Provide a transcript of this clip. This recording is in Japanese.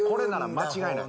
間違いない。